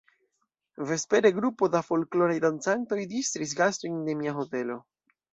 Vespere grupo da folkloraj dancantoj distris gastojn de mia hotelo.